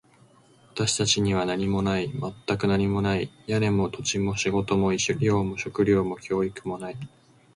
私たちには何もない。全く何もない。屋根も、土地も、仕事も、医療も、食料も、教育もない。